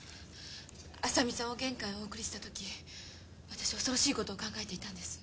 浅見さんを玄関へお送りしたとき私恐ろしいことを考えていたんです。